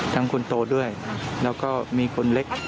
คนโตด้วยแล้วก็มีคนเล็ก